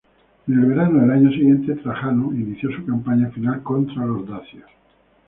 En el verano del año siguiente Trajano inició su campaña final contra los dacios.